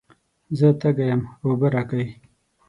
زه تږی یم، اوبه راکئ.